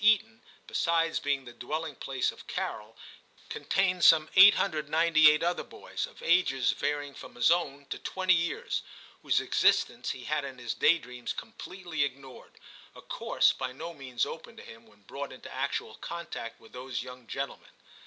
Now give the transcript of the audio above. Eton, besides being the dwelling place of Carol, contained some 898 other boys, of ages varying from his own to twenty years, whose existence he had in his day dreams completely ignored, a course by no means open to him when brought into actual contact with those young gentlemen.